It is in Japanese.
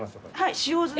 使用済み。